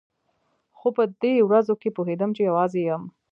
خو په دې ورځو کښې پوهېدم چې يوازې يم.